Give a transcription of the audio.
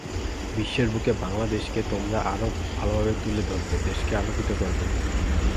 বিশ্বের বুকে বাংলাদেশকে তোমরা আরও ভালোভাবে তুলে ধরবে, দেশকে আলোকিত করবে।